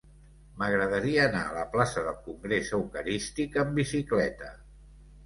M'agradaria anar a la plaça del Congrés Eucarístic amb bicicleta.